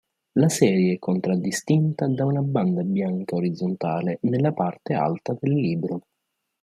La serie è contraddistinta da una banda bianca orizzontale nella parte alta del libro.